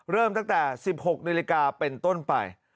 เริ่มตั้งแต่๑๖นาฬิกาเป็นต้นไป